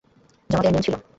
জমা দেয়ার নিয়ম ছিল?